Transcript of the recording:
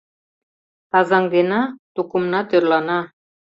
Тазаҥдена Тукымна тӧрлана.